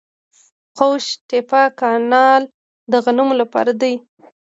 قوش تیپه کانال د غنمو لپاره دی.